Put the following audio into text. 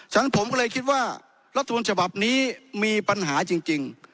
ฉะนั้นผมก็เลยคิดว่ารัฐสภาพนี้มีปัญหาจริงจริง